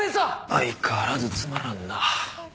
相変わらずつまらんな。